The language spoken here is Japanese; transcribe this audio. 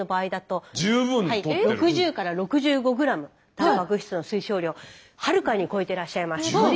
たんぱく質の推奨量はるかに超えてらっしゃいます。